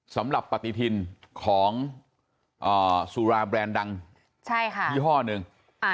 สำหรับปฏิทินของสุราแบรนด์ดังยี่ห้อหนึ่ง